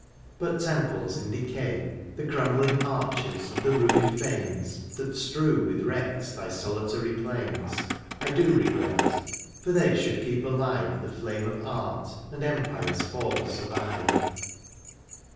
But temples in decay. The crumbling arches, and the ruined fanes. That strew with wrecks thy solitary plains, I do regret ; for they should keep alive The flame of art, and empire^s fall survive.